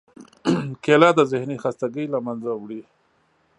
کېله د ذهنی خستګۍ له منځه وړي.